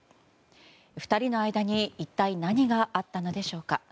２人の間に一体何があったのでしょうか。